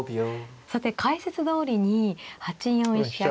さて解説どおりに８四飛車